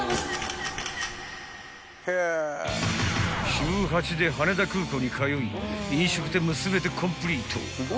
［週８で羽田空港に通い飲食店も全てコンプリート］